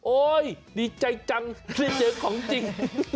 ดีใจจังที่เจอของจริง